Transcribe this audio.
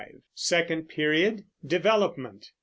Second Period, Development.